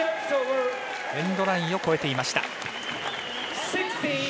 エンドラインを越えていました。